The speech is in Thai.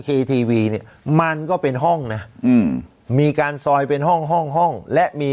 ทีวีเนี่ยมันก็เป็นห้องนะอืมมีการซอยเป็นห้องห้องห้องและมี